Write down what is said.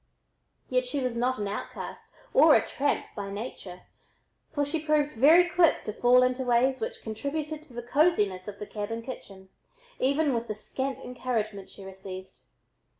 Yet she was not an outcast or a tramp by nature, for she proved very quick to fall into ways which contributed to the cosiness of the cabin kitchen, even with the scant encouragement she received.